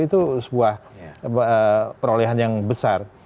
itu sebuah perolehan yang besar